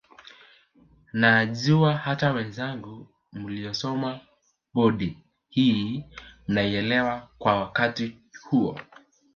Najua hata wenzangu mliosoma bodi hii mnaielewa kwa wakati huo